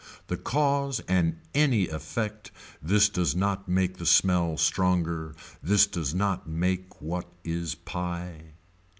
The cause and any effect this does not make the smell stronger, this does not make what is pie.